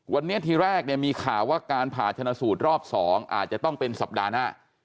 วันนี้ทีแรกเนี่ยมีข่าวว่าการผ่าชนะสูตรรอบ๒อาจจะต้องเป็นสัปดาห์หน้า